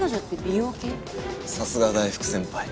さすが大福先輩。